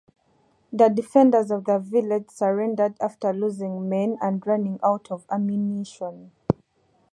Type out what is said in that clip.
The defenders of the village surrendered after losing men and running out of ammunition.